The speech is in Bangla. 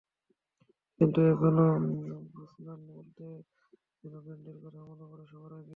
কিন্তু এখনো ব্রুসনান বলতে যেন বন্ডের কথাই মনে পড়ে সবার আগে।